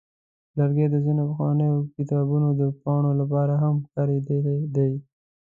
لرګي د ځینو پخوانیو کتابونو د پاڼو لپاره هم کارېدلي دي.